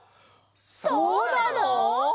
そうなの！？